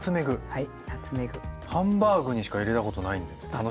はい。